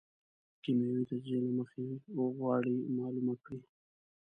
د کېمیاوي تجزیې له مخې غواړي معلومه کړي.